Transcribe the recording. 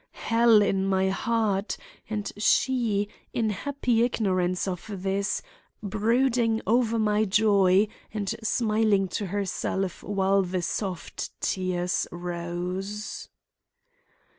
Hell in my heart,—and she, in happy ignorance of this, brooding over my joy and smiling to herself while the soft tears rose!